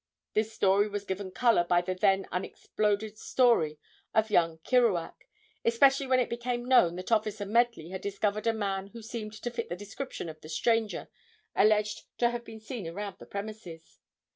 This story was given color by the then unexploded story of young Kierouack, especially when it became known that officer Medley had discovered a man who seemed to fit the description of the stranger alleged to have been seen around the premises.